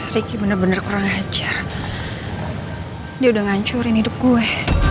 riki bener bener kurang ajar dia udah ngancurin hidup gue